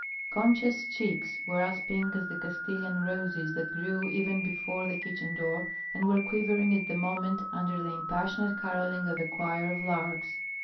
Concha's cheeks were as pink as the Castilian roses that grew even before the kitchen door and were quivering at the moment under the impassioned carolling of a choir of larks.